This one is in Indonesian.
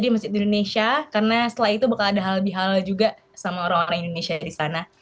di masjid di indonesia karena setelah itu bakal ada halal bihalal juga sama orang orang indonesia di sana